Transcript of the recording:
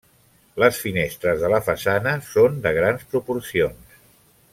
Les finestres de la façana són de grans proporcions.